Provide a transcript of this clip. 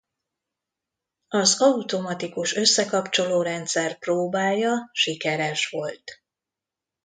Az automatikus összekapcsoló rendszer próbája sikeres volt.